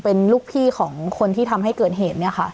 เป็นลูกพี่ของคนที่ทำให้เกิดเหตุ